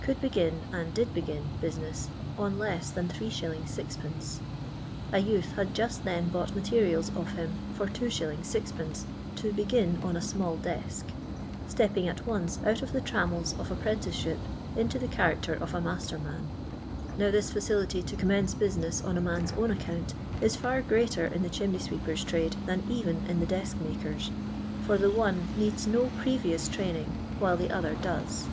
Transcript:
could begin, and did begin, business ca less than ok. C<{. A youth had just then bvjjjht j matetials of him for j*. Of', to *' begin on a sinali I desk," stepping at once out of the trammels cf I npprenticesliij) into the character of a maater nwr. j Now this facility to commence business on a mau* I own account is far greater in the chimney sweeper* I trade than even in the desk iimkors,' for the uB'' I needs no previous ti aining, while the other does.